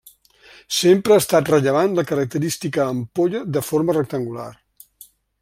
Sempre ha estat rellevant la característica ampolla de forma rectangular.